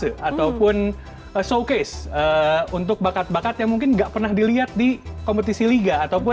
semacam etalasi atau showcase untuk bakat bakat yang mungkin tidak pernah dilihat di kompetisi liga